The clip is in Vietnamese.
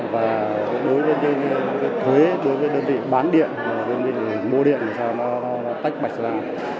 và đối với cái thuế đối với đơn vị bán điện đơn vị mua điện làm sao nó tách bạch ra